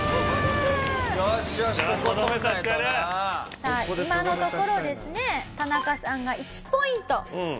さあ今のところですね田中さんが１ポイント。